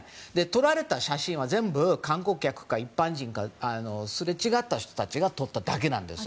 撮られた写真は観光客か一般人か、すれ違った人たちが撮っただけなんです。